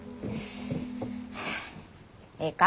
ええか？